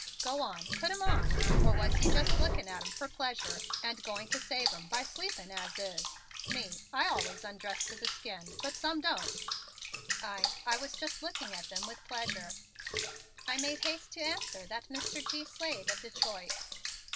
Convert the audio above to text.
Go on, put 'em on, or was you just looking at 'em for pleasure and going to save 'em by sleeping 'as is'? Me, I always undress to the skin, but some don't." "I I was just looking at them with pleasure," I made haste to answer that Mr. G. Slade of Detroit.